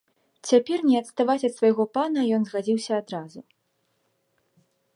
Цяпер не адставаць ад свайго пана ён згадзіўся адразу.